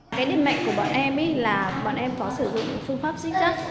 cái điểm mạnh của bọn em là bọn em có sử dụng phương pháp xích chất